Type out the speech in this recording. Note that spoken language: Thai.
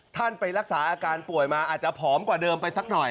ท่านไปรักษาอาการป่วยมาอาจจะผอมกว่าเดิมไปสักหน่อย